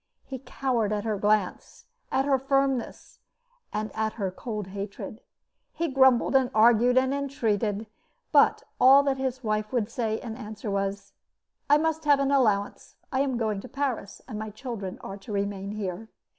He cowered at her glance, at her firmness, and at her cold hatred. He grumbled and argued and entreated; but all that his wife would say in answer was: "I must have an allowance. I am going to Paris, and my children are to remain here."